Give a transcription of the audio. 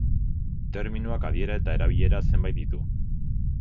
Terminoak adiera eta erabilera zenbait ditu.